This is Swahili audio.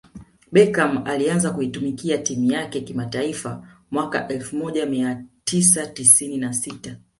Beckam alianza kuitumikia timu yake kimataifa mwaka elfu moja mia tisa tisini na sita